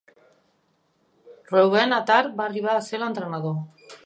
Reuven Atar va arribar a ser l'entrenador.